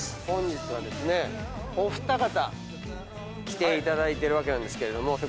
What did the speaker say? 本日はですねお二方来ていただいてるんですけれども。